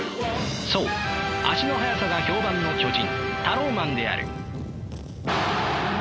そう足の速さが評判の巨人タローマンである。